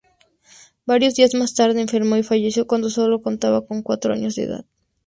Varios días más tarde enfermó y falleció cuando solo contaba cuatro años de edad.